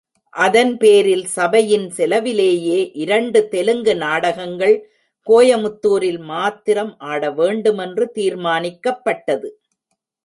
அதன் பேரில் சபையின் செலவிலேயே இரண்டு தெலுங்கு நாடகங்கள் கோயமுத்தூரில் மாத்திரம் ஆட வேண்டுமென்று தீர்மானிக்கப்பட்டது.